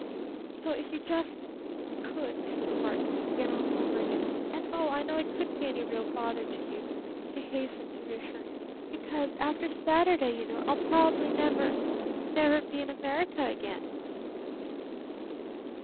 "So if you just could, Mr. Barton!" she began all over again. "And oh, I know it couldn't be any real bother to you!" she hastened to reassure him. "Because after Saturday, you know, I'll probably never never be in America again!"